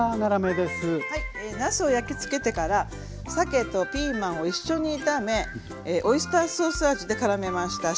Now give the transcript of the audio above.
なすを焼き付けてからさけとピーマンを一緒に炒めオイスターソース味でからめました。